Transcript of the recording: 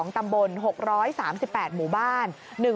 ตำบล๖๓๘หมู่บ้าน